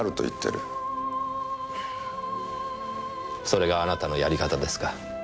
それがあなたのやり方ですか。